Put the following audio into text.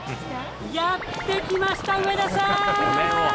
やって来ました、上田さん。